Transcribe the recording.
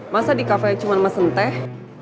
masa di kafe cuma mesen teh